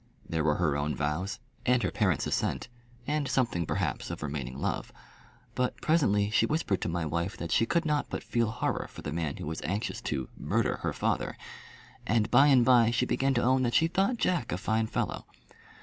There were her own vows, and her parent's assent, and something perhaps of remaining love. But presently she whispered to my wife that she could not but feel horror for the man who was anxious to "murder her father;" and by and by she began to own that she thought Jack a fine fellow.